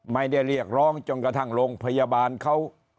เรียกร้องจนกระทั่งโรงพยาบาลเขา